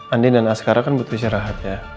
andi dan askara kan butuh istirahat ya